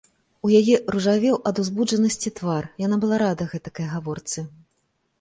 У яе ружавеў ад узбуджанасці твар, яна была рада гэтакай гаворцы.